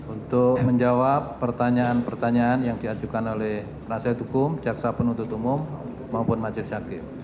untuk menjawab pertanyaan pertanyaan yang diajukan oleh penasihat hukum jaksa penuntut umum maupun majelis hakim